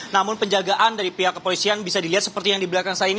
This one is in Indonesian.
namun penjagaan dari pihak kepolisian bisa dilihat seperti yang di belakang saya ini